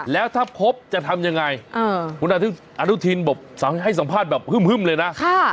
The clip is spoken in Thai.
แล้วถ้าพบจะทำยังไงคุณอนุทินบอกให้สัมภาษณ์แบบฮึ่มเลยนะ